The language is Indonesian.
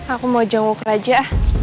aku mau jangguk raja